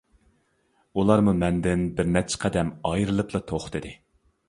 ئۇلارمۇ مەندىن بىر نەچچە قەدەم ئايرىلىپلا توختىدى.